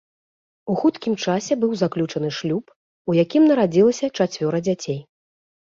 У хуткім часе быў заключаны шлюб, у якім нарадзілася чацвёра дзяцей.